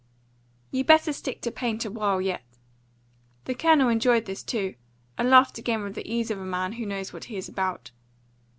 "You better stick to paint a while yet." The Colonel enjoyed this too, and laughed again with the ease of a man who knows what he is about.